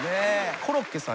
コロッケさん。